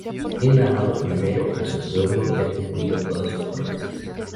Él ha amado primero a su pueblo y ha cumplido todas sus promesas.